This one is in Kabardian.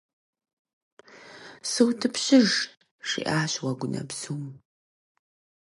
СутӀыпщыж, - жиӀащ Уэгунэбзум.